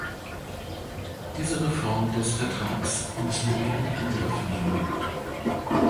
Diese Reform des Vertrags müssen wir in Angriff nehmen.